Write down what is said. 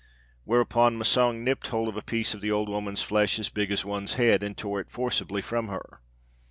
"Whereupon Massang nipped hold of a piece of the old woman's flesh as big as one's head, and tore it forcibly from her.